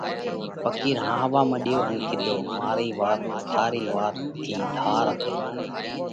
ڦقِير هاهوا مڏيو ان ڪِيڌو: مارئِي وات ٿارِي وات ٿِي ڌار هتئِي۔